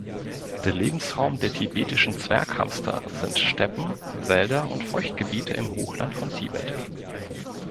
Der Lebensraum der Tibetischen Zwerghamster sind Steppen, Wälder und Feuchtgebiete im Hochland von Tibet.